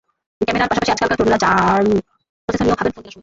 ক্যামেরার পাশাপাশি আজকালকার তরুণেরা র্যাম, প্রসেসর নিয়েও ভাবেন ফোন কেনার সময়।